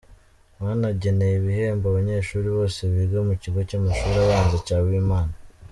Banageneye ibihembo Abanyeshuri bose biga mu kigo cy’amashuri abanza cya Wimana.